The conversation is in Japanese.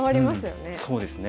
そうですね。